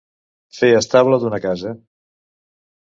Fer estable d'una casa.